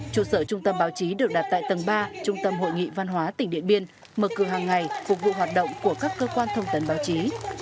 trụ sở trung tâm báo chí được đặt tại tầng ba trung tâm hội nghị văn hóa tỉnh điện biên mở cửa hàng ngày phục vụ hoạt động của các cơ quan thông tấn báo chí